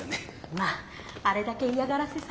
まああれだけ嫌がらせされてたらね。